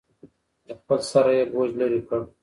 له خپل سره یې بوج لرې کړ.